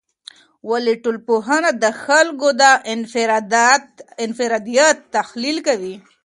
ولي ټولنپوهنه د خلګو د انفرادیت تحلیل کوي؟